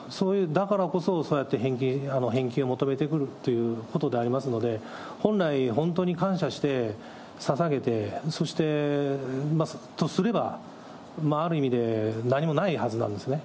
だからこそ、そうやって返金を求めてくるっていうことでありますので、本来、本当に感謝して、ささげて、とすれば、ある意味で何もないはずなんですね。